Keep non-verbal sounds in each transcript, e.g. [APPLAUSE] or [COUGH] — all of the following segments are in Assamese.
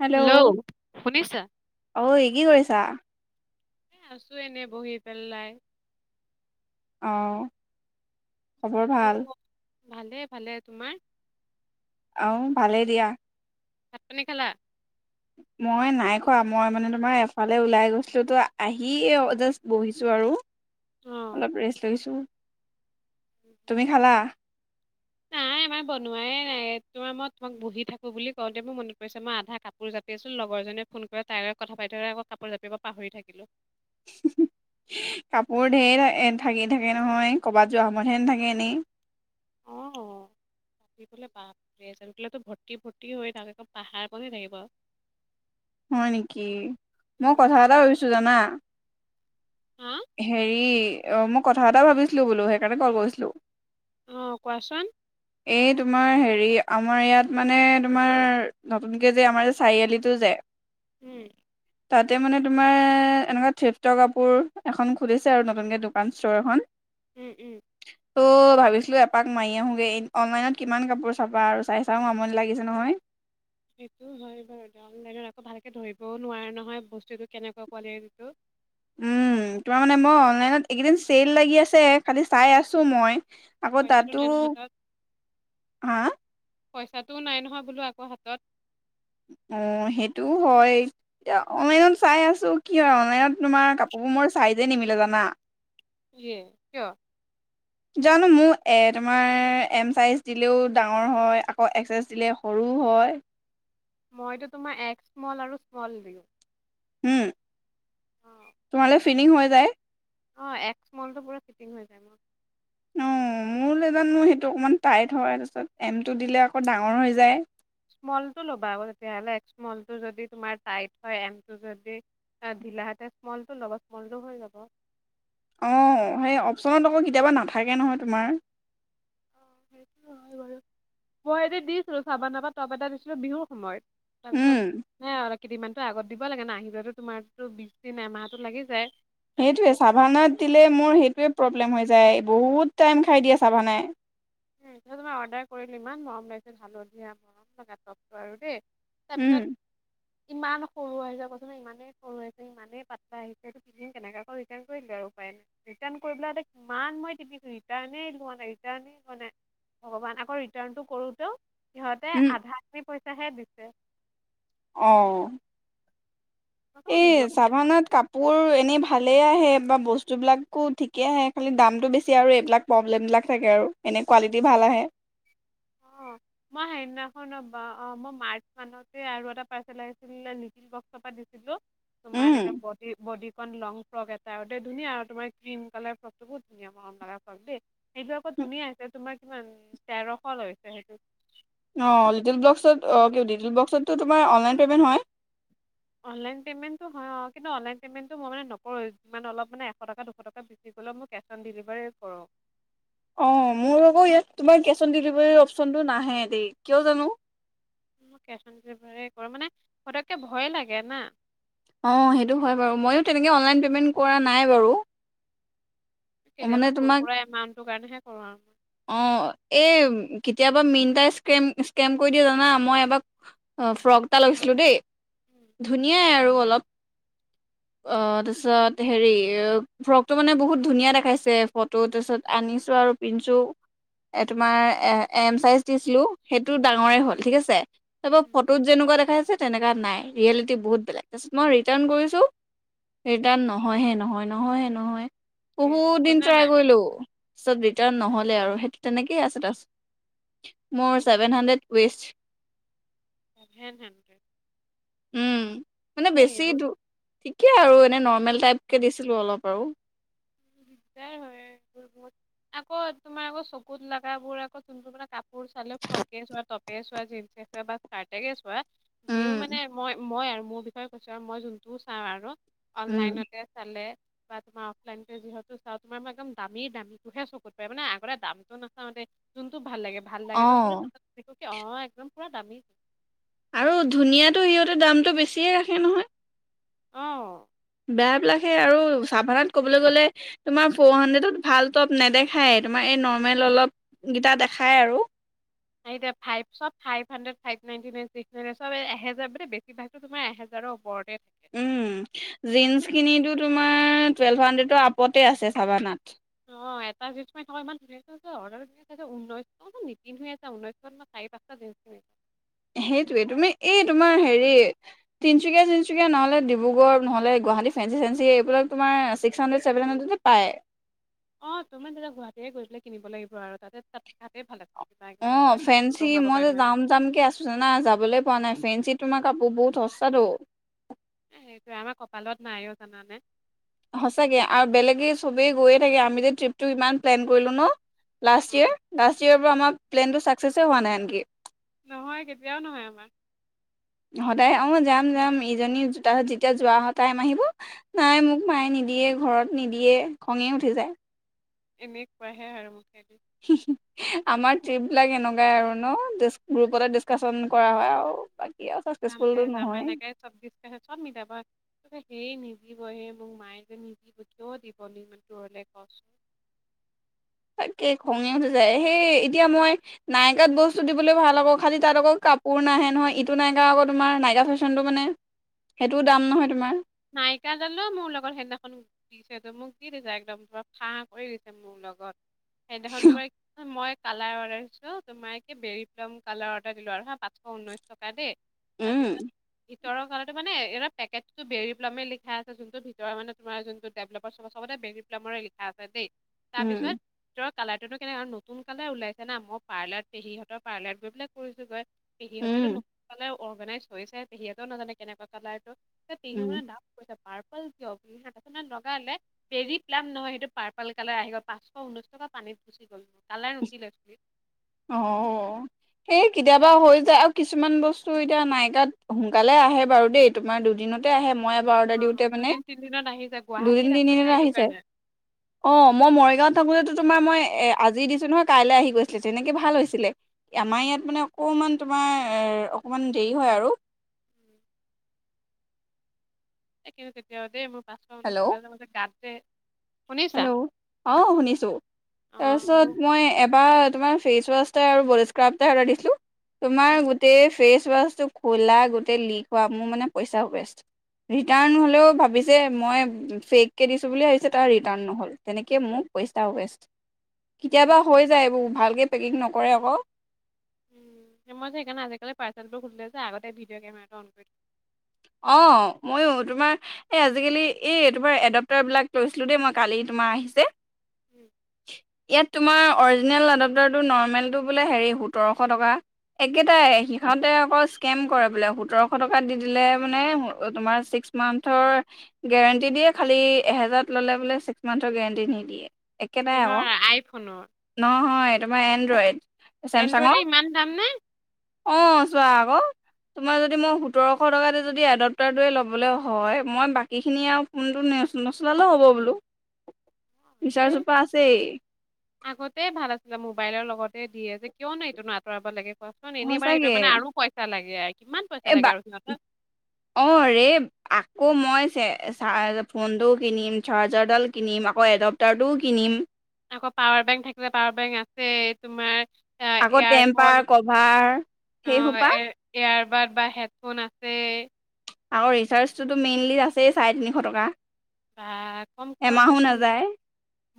হেল্ল' শুনিছা? অ এই কি কৰিছা? এ আছো এনেই বহি পেলাই অহঁ খবৰ ভাল? ভালে-ভালে তোমাৰ? অহ ভালেই দিয়া? ! ভাত পানী খালা? মই নাই খোৱা মই মানে তোমাৰ এফালে ওলাই গৈছিলো তো আহি জাষ্ট বহিছো আৰু৷ অ'। অলপ ৰেষ্ট লৈছো ৷ তুমি খালা? নাই আমাৰ বনোৱাই নাই তোমাৰ মই তোমাক বহি থাকো বুলি কওঁতে মোৰ মনত পৰিছে মই আধা কাপোৰ জাপি আছো লগৰ জনীয়ে ফোন কৰি তাই লগত কথা পাতি থাকলে আকৌ কাপোৰ জাপিব পাহৰি থাকিলো ৷ কাপোৰ ঢেৰ থাকি থাকে নহয় ক'ৰবাত যোৱা সময়তহে নথাকে এনেই ৷ থাক বো ভৰ্তি ফৰ্তি হৈ থাক একম পাহাৰ ব থাকিব [UNINTELLIGIBLE] হয় নেকি মই উম, কথা এটা ভাবিছো জানা৷ হা হেৰি অ মই কথা এটা ভাবিছিলো বোলো সেইকাৰণে কল কৰিছিলো ৷ অ কোৱাচোন। এই তোমাৰ হেৰি আমাৰ ইয়াত মানে তোমাৰ নতুনকে যে আমাৰ চাৰিআলিটো যে উম। তাতে মানে তোমাৰ এনেকুৱা থিপ্ত কাপোৰ এখন খুলিছে আৰু নতুনকে দোকান ষ্ট'ৰ এখন উম, উম। ত' ভাবিছিলো এপাক মাৰি আহোগে অনলাইনত কিমান কাপোৰ চাবা আৰু চাই চা আমনি লাগিছে নহয়। সেইটো হয় বাৰু। অনলাইনত আকৌ ভালকে ধৰিবও নোৱাৰে নহয় বস্তুটো কেনেকুৱা কোৱালিটিটো। উম তোমাৰ মানে মই অনলাইনত এইকেইদিন চেল লাগি আছে, খালি চাই আছো মই। আকৌ পইচাটো তাতো, নাই নহয় হাতত হা? পইচাটোও নাই নহয় বোলো আকৌ হাতত। অ সেইটোও হয় এতিয়া অনলাইনত চাই আছোঁ কি হয়, অনলাইনত তোমাৰ কাপোৰবোৰ মোৰ চাইজে নিমিলে জানা। ইএ কিয়? জানো মোক এ তোমাৰ এম চাইজ দিলেও ডাঙৰ হয় আকৌ এক্স এচ দিলে সৰু হয়। মইতো তোমাৰ এক স্মল আৰু স্মল দিওঁ। উম। [INAUDIBLE] যায়। অ এক্স স্মলটো পুৰা ফিটিং হৈ যায় মোৰ। অ মোৰলে জানো সেইটো অকণমান টাইট হয়, তাৰপিছত এমটো দিলে আকৌ ডাঙৰ হৈ যায়। স্মলটো ল'বা আক তেতিয়াহলে স্মলটো যদি তোমাৰ টাই হয় এমটো যদি ঢিলাতে স্মল ল'ব স্মলটো হৈ যাব। অঁ সেই অপচনত আকৌ কেতিয়াবা নাথাকে নহয় তোমাৰ। সেইটো বাৰু মই এতি দিছিলো চাবা নাবা তপ এটা দিছিলো বিহুৰ সময়ত। তাৰপিছত উম হ [UNINTELLIGIBLE] কেইদিন মানতো আগত দিব লাগে ন, আহিবো তোমাৰতো বিশ দিন এমাহতো লাগি যায়। তাৰপিছত সেইটোৱে চভানাত দিলে মোৰ সেইটোৱে প্ৰ ্ম হৈ যায় বহুত টাইম খাই দিয়ে ছাভানাই। এতিয়া তোমাৰ অৰ্ডাৰ কৰিলো ইমান মৰম লাগিছে হালধীয়া মৰম লগা টপটো আৰু দেই। তাৰপিছত উম ইমান সৰু আহিছে কচোন ইমানেই সৰু আহিছে, ইমানেই পাতলা আহিছে এই পিন্ধো কেনেকে? আকৌ ৰিটাৰণ কৰি দিলোঁ আৰু উপায় নাই। ৰিটাৰ্ণ কৰিব কিমান মই টিপিছো ৰিটাৰ্ণ লোৱা নাই ৰিটাৰ্ণ ভগৱান আকৌ ৰিটাৰ্ণটো কৰোতেও সিহঁতে উম আধাখিনি পইচা হে দিছে। অহ। মই কৈছোঁ এই নিদো ছাভানাত কাপোৰ এনেই ভাল ভালেই আহে বা বস্তুবিলাকো ঠিকেই আহে, খালি দামটো বেছি আৰু এইবিলাক প্ৰব্লেমবিলাক থাকে আৰু। এনে কোৱালিটি ভাল আহে। অ মই সেইদিনাখন অ মই মাৰ্চ মানতে আৰু এটা পাৰ্চেল আহিছিলে, লিটিল বক্সৰ পৰা দিছিলো। তোমাৰ উম এনেকে body body on long frock এটা আৰু দেই, ধুনীয়া আৰু তোমাৰ ক্ৰীম কালাৰ ফ্ৰকটো বহুত ধুনীয়া মৰম কালাৰ ফ্ৰক দেই। সেইটো আকৌ ধুনীয়া হৈছে তোমাৰ কিমান তেৰশ লৈছে। সেইটো অঁ লিটিল বক্সত অঁ লিটিল বক্সততো তোমাৰ অনলাইন পে'মেণ্ট হয়। অনলাইন পে'মেণ্টটো হয় অঁ কিন্তু অনলাইন পে'মেণ্টটো মই মানে নকৰোঁ ইমান অলপ মানে এশ টকা দুশ টকা বেছি গ'লেও মই কেছ অন ডেলিভাৰী কৰোঁ। অঁ মোৰ আকৌ ইয়াত তোমাৰ কেচ অন ডেলিভাৰীৰ অপশচনটো নাহে দেই। কিয় জানো? মই কেচ অন ডেলিভাৰী কৰো মানে সতককে ভয় লাগে না। অঁ সেইটো হয় বাৰু ময়ো তেনেকে অনলাইন পে'মেণ্ট কৰা নাই বাৰু মানে কেতিয়াবা সৰু তোমাক সুৰা এমাউণ্ট কাৰণেহে কৰোঁ আৰু অ এই কেতিয়াবা মিনটা ইচক্ৰেম ইচক্ৰেম কৰি দিয়ে জানা মই এবাৰ আ ফ্ৰক এটা লৈছিলোঁ দেই উম, ধুনীয়াই আৰু অলপ অ তাৰপিছত হেৰি ফ্ৰক টো মানে বহুত ধুনীয়া দেখাইছে ফটো তাৰপিছত আনিছো আৰু পিন্ধিছো এ তোমাৰ এ এম চাইজ দিছিলো সেইটো ডাঙৰে হ'ল ঠিক আছে তাপা উম, ফটোত যেনেকুৱা দেখাইছে তেনেকা নাই ৰিয়েলিটি বহুত বেলেগ, মই ৰিটাৰ্ণ কৰিছোঁ ৰিটাৰ্ণ নহয়হে নহয় নহয়হে নহয় সেইয়া বহুত দিন হ'ল নে ট্ৰাই নাই? কৰিলোঁ পাছত ৰিটাৰ্ণ নহ'ল আৰু সেইটো তেনেকে আছে তাপাছত মোৰ seven hundred waist seven hundred উম এ এইবোৰত কি আৰু এনে নৰ্মেল টাইপকে দিছিলোঁ অলপ আৰু দিগদাৰ হয় এইবোৰ বহুত আকৌ তোমাৰ আকৌ চকুত লগাবোৰ আকৌ যোনটো মানে কাপোৰ চালে ফ্ৰকে চোৱা, টপে চোৱা, জিন্স চোৱা বা স্কাৰ্টকে চোৱা যিও উম মানে মই মই আৰু মোৰ বিষয়ে কৈছোঁ আৰু মই যোনটো চাওঁ আৰু উম অনলাইনতে চালে বা তোমা অফলাইন যিহেতু চাওঁ তোমাৰ ম একদম দামী দামীটোহে চকুত পৰে মানে আগতে দামটো নাচাওঁ দেই যোনটো ভাল লাগে ভাল লাগে অ তো চল ততো অ একদম পুৰা দামী আৰু ধুনীয়াটো সিহঁতে দামটো বেছিয়ে ৰাখে নহয় অহ বেয়াবিলাক সেই আৰু চাফানাত ক'বলৈ গ'লে তোমাৰ ফ'ৰ হাণ্ড্ৰেডত ভাল টপ নেদেখায়ে তোমাৰ এই নৰ্মেল অলপ কেইটা দেখায় আৰু এতিয়া ফাইভ চব five hundred five ninety nine six এ এহেজাৰ মানে বেছিভাগটো তোমাৰ এহেজাৰৰ ওপৰতে থাকে। উম জীন্চ খিনিটো তোমাৰ টুৱেল্ভ হাণ্ড্ৰেডৰ আপতে আছে চাবানা অ এটা জিন্চ মই থকা ইমান শুনি [UNINTELLIGIBLE] আছোঁ যে ঘ ঊনৈশ নীতিন হৈ আছে ঊনৈশত মই চাৰি পাঁচটা জ কিনিছো [INAUDIBLE] সেইটোৱে তুমি এই তোমাৰ হেৰি তিনিচুকীয়া চিনচুকীয়া নহ'লে ডিব্ৰুগড় নহ'লে গুৱাহাটী ফেঞ্চি চেঞ্চি এইবিলাক তোমাৰ ছিক্স হাণ্ড্ৰেড ছেভেন হাণ্ড্ৰেডতে পায় অ তোমাৰ তেতিয়া গুৱাহাটীয়ে গৈ পেলাই কিনিব লাগিব আৰু তাতে তাত তাতে ভাল আছে অ ফেণ্সি মই যে যাম যাম কে আছোঁ জানা যাবলে পোৱা নাই ফেঞ্চি তোমাক কাপোৰ বহুত সস্তাটো এ সেইটোয়ে আমাৰ কপালত নাই অ জানানে সঁচাকে আৰু বেলেগে সবেই গৈয়ে থাকে আমি যে ট্ৰিপটো ইমান প্লেন কৰিলো ন লাষ্ট অ' ইয়েৰ লাষ্ট ইয়েৰ পৰা আমাক প্লেন টো ছাকচেচে হোৱা নাই আনকি নহয় কেতিয়াও নহয় আমাৰ সদায় অ যাম যাম ইজনী তাপাছত যেতিয়া যোৱা অ টাইম আহিব নাই মোক মায়ে নিদিয়ে ঘৰত নিদিয়ে খঙে উঠি যায় এনেকুৱাহে আৰু [UNINTELLIGIBLE] আমাৰ ট্ৰিপ বিলাক এনেকুৱাই আৰু ন গ্ৰুপতে ডিচকাচন কৰা হয় আৰু আৰু যাম দে চাকচেচফুলটো যাম নহয় এনেকে চবছ ত চব মিলাব সেই নিদিবহে মোক মায়ে যে নিদিব কিয় দিব নু ইমান দূৰলে কচোন? এই খঙে উঠি যায় সেই এতিয়া মই নাইকাত বস্তু দিবলৈ ভাল হ'ব খালি তাত আকৌ কাপোৰ নাহে নহয় ইটো নাইকা আকৌ তোমাৰ নাইকা ফেশ্বনতটো মানে সেইটোও দাম নহয় তোমাৰ নাইকা দালো মোৰ লগত সেইদিনাখন দিছে ত মোক দি দিছে একদম পুৰা ফাঁ কৰি দিছে মোৰ লগত। সেইদিনাখনতো মানে মই কালাৰ অৰ্ডাৰ দিছো তোমাৰে বেৰি প্লাম কালাৰ অৰ্ডাৰ দিলো আৰু হা পাচশ ঊনৈশ টকা দেই উম তাৰপিছত ভিতৰৰ কালাৰতো মানে এ পেকেটতটো বেৰি প্লামে লিখা আছে যোনটো ভিতৰ মানে তোমাৰ‌ যোনটো ডেভ্লপাৰ চবতে বেৰি প্লামৰে লিখা আছে দেই উম তাৰপিছত কালাৰটোতো কেনেক আৰু নতুন কালাৰ ওলাইছে না মই পাৰ্লাৰ পেহীহঁতৰ পাৰ্লাৰত গৈ পেলে কৰিছো গৈ উম পেহীহতেটো নতুন অৰ্গেনাইজ হৈছে পেহীহতেও নাজানে কেনেকুৱা কালাৰ পেহী উম মানে পাৰপল কিয় লগালে বেৰি প্লাম নহয় সেইটো পাৰল কালাৰ আহি গ'ল পাঁচশ ঊনৈশ টকা পানীত গুচি গ'ল। কালাৰে নুঠিলে চুলিত অ সেই কেতিয়াবা হৈ যায় আৰু কিছুমান বস্তু এতিয়া নাইকাত সোনকালে আহে বাৰু দেই তোমাৰ দুদিনতে আহে মই এবাৰলে দিওতে অ মানে দুদিন তিনদিনত আহি যায় দুদিন গুৱাহাটীত আছে যে তিনদিনতে এইটো আহিছে। কাৰণে অ মই মৰিগাওত থাকোতেতো তোমাৰ মই এ আজি দিছো নহয় কাইলৈ আহি গৈছিলে। তেনেকে ভাল হৈছিলে আমাৰ ইয়াত মানে অকণমান তোমাৰ অকণমান দেৰি হয় আৰু। একে তেতিয়া পাঁশল্লি হেল্ল' কা ম গাত [UNINTELLIGIBLE] তে হেল্ল' অ শুনিছো অ মোৰ তাৰপিছত মই এবাৰ তোমাৰ ফেচ ৱাছটোৱে আৰু বডী স্ক্ৰাব টোহে অৰ্ডাৰ দিছিলো। তোমাৰ উম গোটেই ফ্ৰেচ ৱাছটো খুলা, গোটেই লিক হোৱা মোৰ‌ মানে পইচা ৱেষ্ট। ৰিটাৰ্ণ হ'লেও ভাবিছে মই ফেক কে দিছো বুলি ভাবিছে। নহ'ল তেনেকে মোৰ পইচা ৱেষ্ট। কেতিয়াবা হৈ যায় এইবোৰ ভালকে পেকিং নকৰে আকৌ উ মই যে সেইকাৰণে আজিকালি পাৰ্চেলবোৰ খোলোতে যে আগতে ভিডিঅ' কেমেৰাটো অন কৰি থও। অ মইও তোমাৰ এই আজিকালি এই তোমাৰ এডপটাৰ বিলাক লৈছিলো দেই মই কালি তোমাৰ আহিছে থওঁ [UNINTELLIGIBLE] ইয়াত তোমাৰ অৰিজিনেল এডপটৰটো নৰ্মেলটো বোলে হেৰি সোতৰশ টকা একেটাই সিহঁতে আকৌ স্কেম কৰে বোলে, সোতৰশ টকা দি দিলে মানে তোমাৰ ছিক্স মান্থৰ গেৰেণ্টি দিয়ে, খালি এহেজাৰত ললে বোলে ছিক্স মান্থৰ গেণ্টি নিদিয়ে। একেটাই কিহৰ আঁক আইফোনৰ নহয় তোমাৰ এনড্ৰইড। এনড্ৰইডৰ চেমচাঙৰ, ইমান দাম অঁ চোৱা আঁক! তোমাৰ যদি মই সোতৰশ টকা যদি যদি এডপটাৰোটোৱে ল'বলৈ হয়, মই বাকীখিনি আৰু ফোনটো নচলালে হ'ব বোলোঁ। আগতেই ভাল আছিলে, মোবাইলৰ লগত দিয়ে যে কিয় নো এতিয়ানো আতৰাব লাগে। কচোন এনেই মানে, সঁচাকে সেইটো মানে, আৰু পইচা লাগে। কিমান পইচা এই লাগে আৰু বা সিহঁতক। চাৰ, ফোনটোও কিনিম, চাৰ্জাৰডালো কিনিম, আকৌ এডপ্টাৰটোও কিনিম। আকৌ পাৱাৰ বেংক থাকিলে পাৱাৰ বেংক আছে, তোমাৰ আ আকৌ টেম্পাৰ, এয়াৰপড কভাৰ সেই সোপা কাৰবাৰ বা হেডফোন আছে। আকৰ ৰিচাৰ্জটোতো মেইনলি আছেই চাৰে তিনিশ টকা। বা কম খৰচ এমাহো যে নাযায়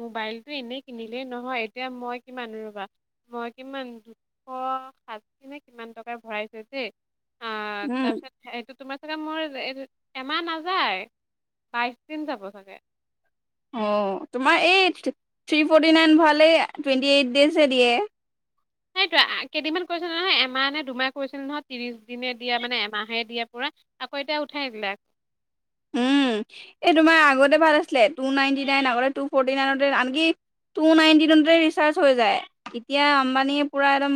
মোবাইলটো এনেই কিনিলেই নহয়, এতিয়া মই কিমান ৰবা, মই কিমান দুশ ষাঠি ন কিমান টকাৰ ভৰাই থৈছো দেই। অ' উম তাৰপিছত সেইটো তোমাৰ চাগে মোৰ এমাহ নাযায়, বাই চ দিন যাব চাগে। অ তোমাৰ এই থ্ৰী ফৰ্টি নাইন ভৰালেই টুৱেণ্টি এইট ডজে হে দিয়ে। সেইটোয়ে, কেইদিনমান কৰিছিলোঁ নহয় এমাহ নে দুমাহ কৰিছিলোঁ নহয়, ত্ৰিশ দিনে দিয়া, মানে এমাহে দিয়া, পুৰা, আকৌ এতিয়া উঠাই দিলে। উম! এই তোমাৰ আগতে ভাল আছিলে, পু নাইন্টি নাইন আগতে টু ফৰটি নাইনতে আনকি, পু ফৰটি নাইনতে ৰিচাৰ্জ হৈ যায়। এতিয়া আম্বানীয়ে পুৰা একদম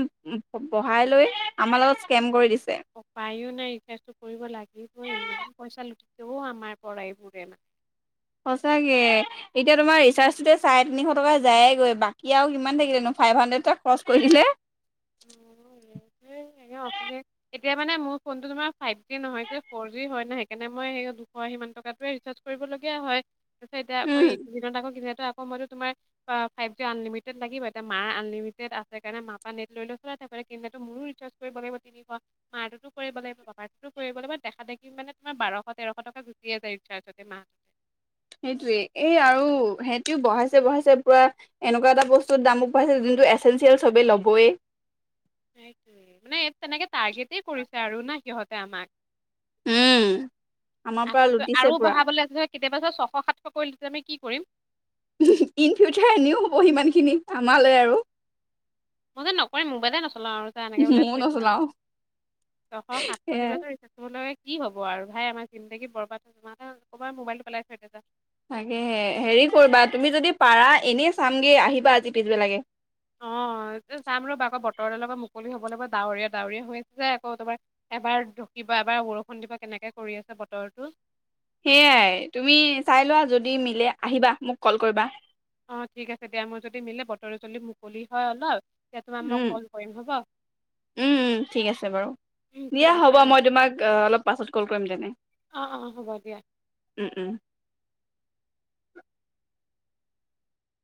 বঢ়াই লৈ, আমাৰ‌ লগত স্কেম কৰি দিছে। উপায়ো নাই, এতিয়া কৰিব লাগিবই, ইমান পইচা লুটে ও আমাৰ পৰাই এইবোৰে মানে। সঁচাকে, এতিয়া তোমাৰ ৰিচাৰ্জটোতে চাৰে তিনিশ টকা যায়েগৈ, বাকী আৰু কিমান থাকিলেনো ফাইভ হাণ্ড্ৰেড খৰচ কৰিলে। এতিয়া মানে মোৰ ফোনটো তুমাৰ মানে ফাইভ জি নহয় যে ফৰ জি হয়, ত' সেইকাৰণে মানে সিমানটকায়ে ৰিচাৰ্জ কৰিবলগীয়া হয়। তাৰপিছত এতিয়া আকৌ, উম এইকেইদিনত আকৌ [UNINTELLIGIBLE] তুমাৰ ফাইভ কে আনলিমিটেড লাগিব, এতিয়া মাঁৰ আনলিমিটেড আছে কাৰণে মাঁৰ পৰা নেট লৈ লৈ চা তে কিন্ত মোৰো ৰিচাৰ্জ কৰিব লাগিব। তিনিশ মাটোতো কৰিব লাগিব, পাপাটোতো কৰিব লাগিব, দেখা দেখি মানে তোমাৰ বাৰশ তেৰশ টকা গুচিয়ে যায় ৰিচাৰ্জতে মাহতে। সেইটোৱে, এই আৰু সেইটোও বঢ়াইছে বঢ়াইছে পুৰা এনেকুৱা এটা বস্তুত দামো বঢ়াইছে যোনটো এচেঞ্চিয়েল সবেই ল'বই। মানে এইটো তেনেকে টাৰ্গেট কৰিছে আৰু না সিহঁতে আমাক। উম আমাৰ পৰা আকৌতো আৰু লুটিছে পুৰা। বঢ়াবলৈ আছে কেতিয়াবা যদি ছশ সাতশ কৰি দিলে আমি কি কৰিম? ইন ফিউচাৰ এনেও হ'ব, সিমানখিনি আমালৈ আৰু। মই যে নকৰো, ম'বাইলে নচলা চলাও আৰু যা, এনেকে বুলিয় ময়ো থৈ দিম আৰু। নচলাও ছশ সাতশ সেয়াই থাকিবটো ৰিচ কি হ'ব আৰু ভাই, আমাৰ জিন্দেগী বৰবাদ কৰবাৰ মোবাইলটো পেলাই থৈ দিওঁ যা। তাকে হেৰি কৰিবা তুমি যদি পাৰা এনেই চামগে আহিবা আজি পিছবেলাকে। অ যাম ৰ'বা আকৌ বতৰডালৰপ পৰা মুকলি হ'ব লাগিব ডাৱৰীয়া ডাৱৰীয়া হৈ আছে যে আকৌ তবাৰ এবাৰ ঢুকিব এবাৰ বৰষুণ দিব কেনেকে কৰি আছে বতৰটো। সেয়াই তুমি চাই লোৱা যদি মিলে আহিবা মোক কল কৰিবা। অ ঠিক আছে দিয়া মই যদি মিলি বতৰে যদি মুকলি হয় অলপ। তোমাক মই কল কৰিম হ'ব। ঠিক আছে বাৰু উম, দিয়া ঠিক আছে হ'ব মই তোমাক অলপ পাছত কল কৰিম তেনে অ', অ' হ'ব দিয়া।